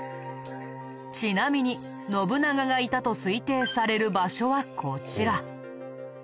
ちなみに信長がいたと推定される場所はこちら。